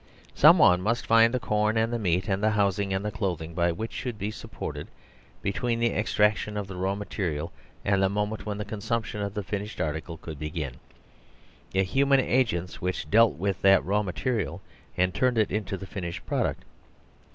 Someone must find the corn and the meat and the housing and the clothing by which should be supported, bet ween the extraction of the raw material and the moment when the con sumption of the finished article could begin, thehuman agents which dealt with that raw material and turned it into the finished product.